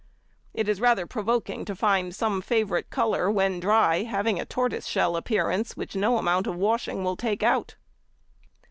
It is rather provoking to find some favourite colour when dry, having a tortoiseshell appearance, which no amount of washing will take out.